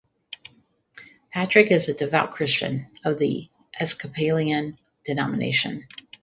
Patrick is a devout Christian, of the Episcopalian denomination.